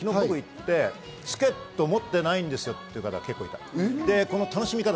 昨日僕、行ってチケット持っていないんですよっていう方が結構いました。